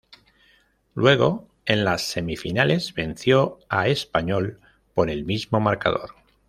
Luego en las semifinales venció a Español por el mismo marcador.